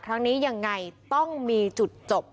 ครั้งนี้ยังไงต้องมีจุดจบ